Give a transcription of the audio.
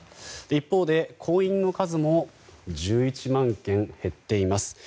一方で、婚姻の数も１１万件、減っています。